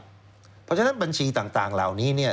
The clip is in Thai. เพราะฉะนั้นบัญชีต่างเหล่านี้เนี่ย